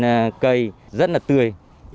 ở trên cây rất là tươi